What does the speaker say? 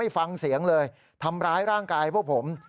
ฟังเสียงเลยทำร้ายร่างกายพวกผม